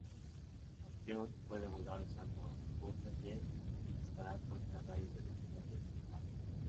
Bastión puede volar usando botas-jet y disparar fuertes rayos de energía de sus manos.